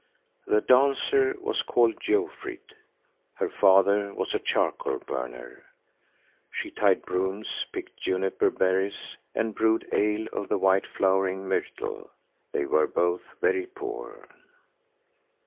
The dancer was called Jofrid. Her father was a charcoal burner. She tied brooms, picked juniper berries and brewed ale of the white flowering myrtle. They were both very poor.